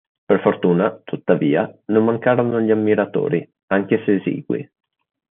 Per fortuna, tuttavia, non mancarono gli ammiratori, anche se esigui.